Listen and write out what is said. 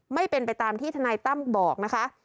ไม่เป็นไปตามที่ทนายตั้มบอกนะคะ